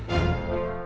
kalo diambil semua